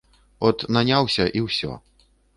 От наняўся і ўсё.